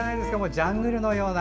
ジャングルのような。